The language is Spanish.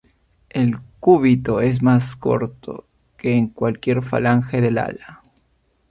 El cúbito es más corto que cualquier falange del ala.